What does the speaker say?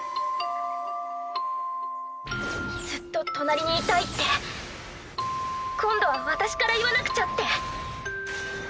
ずっと隣にいたいって今度は私から言わなくちゃって。